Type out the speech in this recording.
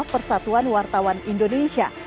persenjataan dari anugerah jurnalistik adi negoro